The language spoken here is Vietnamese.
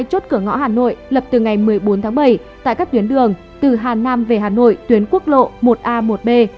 hai mươi chốt cửa ngõ hà nội lập từ ngày một mươi bốn tháng bảy tại các tuyến đường từ hà nam về hà nội tuyến quốc lộ một a một b